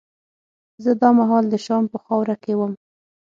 زه دا مهال د شام په خاوره کې وم.